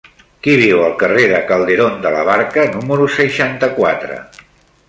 Qui viu al carrer de Calderón de la Barca número seixanta-quatre?